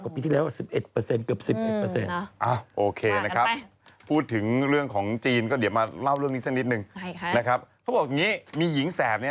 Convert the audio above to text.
ต่อไปตัวนี้แอปพลิเคชันก็หลวงโลกตังเยอะตังแยะ